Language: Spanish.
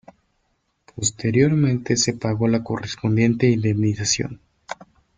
Posteriormente se pagó la correspondiente indemnización.